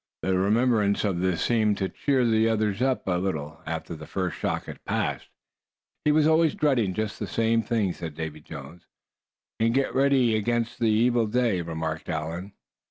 The remembrance of this seemed to cheer the others up a little, after the first shock had passed. "He was always dreading just this same thing," said Davy Jones. "And getting ready against the evil day," remarked Allan.